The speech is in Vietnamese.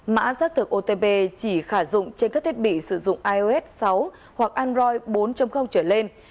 mã xác thực otp chỉ khả dụng trên các thiết bị sử dụng ios sáu hoặc android bốn trở lên